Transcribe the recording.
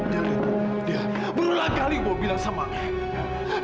dia berulang kali mau bilang sama aku